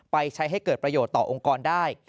ไปใช้ให้เกิดประโยชน์ต่อองค์กรได้